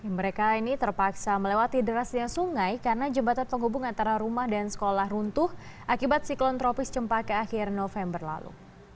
mereka ini terpaksa melewati derasnya sungai karena jembatan penghubung antara rumah dan sekolah runtuh akibat siklon tropis cempaka akhir november lalu